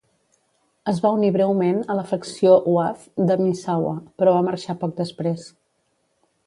Es va unir breument a la facció "Wave" de Misawa, però va marxar poc després.